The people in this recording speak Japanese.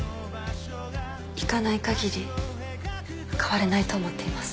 行かないかぎり変われないと思っています